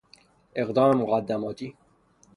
اقدام مقدماتی